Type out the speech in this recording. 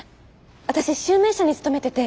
私集明社に勤めてて。